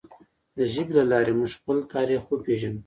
د ژبې له لارې موږ خپل تاریخ وپیژنو.